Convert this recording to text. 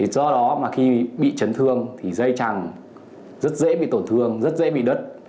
do đó mà khi bị trấn thương thì dây trằng rất dễ bị tổn thương rất dễ bị đất